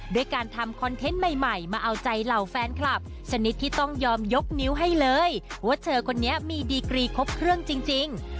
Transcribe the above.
ด้วยการทำคอนเทนต์ใหม่มาเอาใจเหล่าแฟนคลับชนิดที่ต้องยอมยกนิ้วให้เลยว่าเธอคนนี้มีดีกรีครบเครื่องจริง